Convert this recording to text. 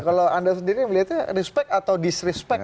kalau anda sendiri melihatnya respect atau disrespect